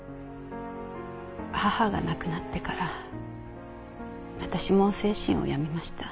母が亡くなってから私も精神を病みました。